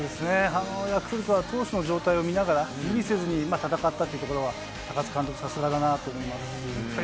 ヤクルトは投手の状態を見ながら無理せず戦ったということが高津監督、さすがだなと思います。